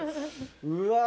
うわ！